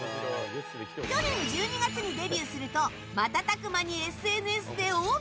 昨年１２月にデビューすると瞬く間にＳＮＳで大バズり。